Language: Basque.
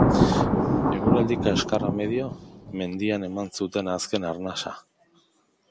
Eguraldi kaskarra medio, mendian eman zuten azken arnasa.